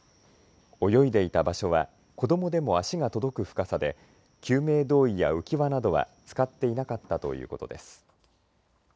泳いでいた場所は子どもでも足が届く深さで救命胴衣や浮き輪などは使っていなかったということです。